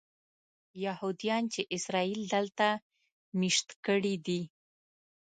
یهودیان چې اسرائیل دلته مېشت کړي دي.